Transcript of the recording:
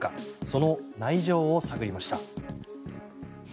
その内情を探りました。